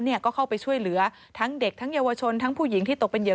ก็เข้าไปช่วยเหลือทั้งเด็กทั้งเยาวชนทั้งผู้หญิงที่ตกเป็นเหยื